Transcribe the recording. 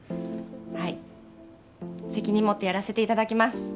はい責任持ってやらせていただきます